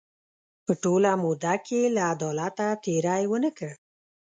په ټوله موده کې له عدالته تېری ونه کړ.